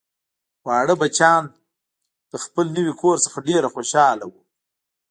واړه بچیان له خپل نوي کور څخه ډیر خوشحاله وو